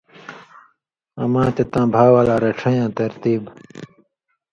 اما تے تاں بھا والا رڇھَیں یاں ترتیب